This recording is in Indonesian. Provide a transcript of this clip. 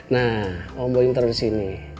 nah om boim taruh di sini